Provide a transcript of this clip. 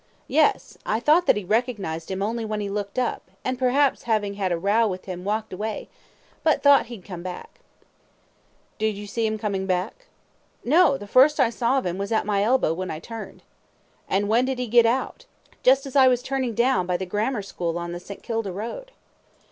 A. Yes; I thought that he recognised him only when he looked up, and perhaps having had a row with him walked away, but thought he'd come back. Q. Did you see him coming back? A. No; the first I saw of him was at my elbow when I turned. Q. And when did he get out? A. Just as I was turning down by the Grammar School on the St. Kilda Road.